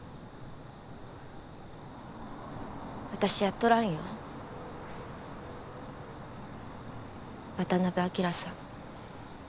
私やっとらんよ渡辺昭さん